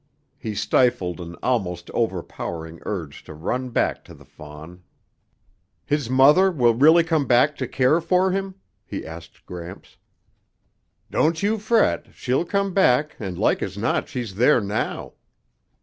He stifled an almost overpowering urge to run back to the fawn. "His mother will really come back to care for him?" he asked Gramps. "Don't you fret, she'll come back and like as not she's there now.